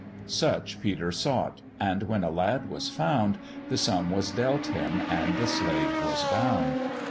Such Peter sought, and when a lad was found, The sum was dealt him, and the slave was bound.